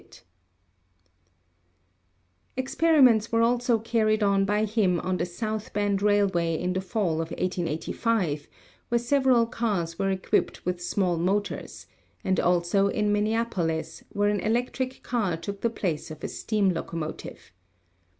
ELECTRIC RAILWAYS 285 Experiments were also carried on by him on the South Bend Railway in the fall of 1885, where several cars were equipped with small motors, and also in Minneapolis, where an electric car took the place of a steam locomotive.